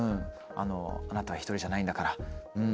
あなたは一人じゃないんだから。